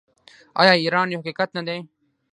آیا ایران یو حقیقت نه دی؟